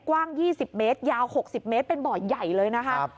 กว้าง๒๐เมตรยาว๖๐เมตรเป็นบ่อใหญ่เลยนะคะ